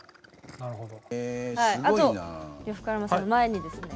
なるほど。